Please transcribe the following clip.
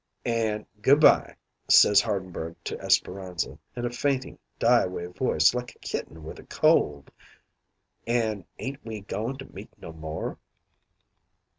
"An' 'Good by,' says Hardenberg to Esperanza, in a faintin', die away voice like a kitten with a cold. 'An' ain't we goin' to meet no more?'